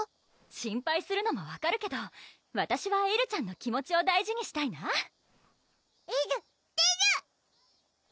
心配するのも分かるけどわたしはえるちゃんの気持ちを大事にしたいなえるでる！